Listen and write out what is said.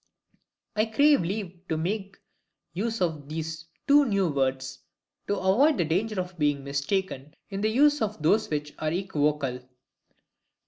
I crave leave to make use of these two new words, to avoid the danger of being mistaken in the use of those which are equivocal.